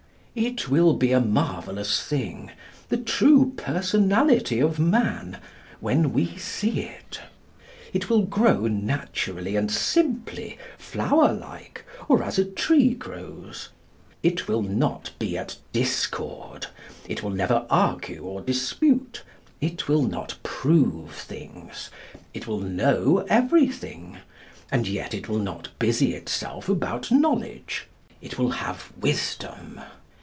It will be a marvellous thing—the true personality of man—when we see it. It will grow naturally and simply, flowerlike, or as a tree grows. It will not be at discord. It will never argue or dispute. It will not prove things. It will know everything. And yet it will not busy itself about knowledge. It will have wisdom.